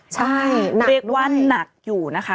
ใช่หนักด้วยเรียกว่าหนักอยู่นะคะ